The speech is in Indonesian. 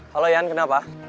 halo yan kenapa